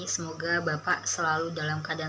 semoga bapak selalu dalam keadaan